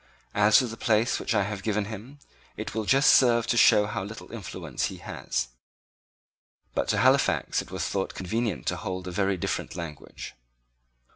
As to the place which I have given him, it will just serve to show how little influence he has." But to Halifax it was thought convenient to hold a very different language.